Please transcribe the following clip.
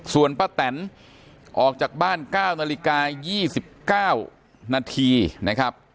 ส่วนป้าแตนออกจากบ้าน๙นาฬิกา๒๙นาทีนะครับ